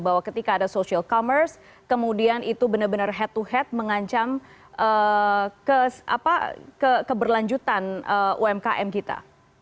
bahwa ketika ada social commerce kemudian itu benar benar head to head mengancam keberlanjutan umkm kita